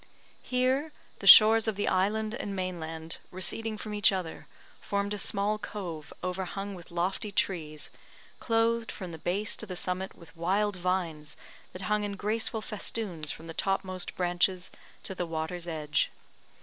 Here, the shores of the island and mainland, receding from each other, formed a small cove, overhung with lofty trees, clothed from the base to the summit with wild vines, that hung in graceful festoons from the topmost branches to the water's edge.